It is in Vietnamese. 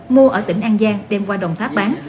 mua ở tỉnh an giang đem qua đồng tháp bán